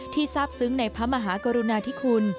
ทราบซึ้งในพระมหากรุณาธิคุณ